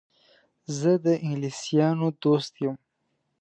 زه د انګلیسیانو دوست یم.